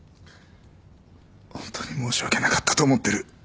本当に申し訳なかったと思ってる。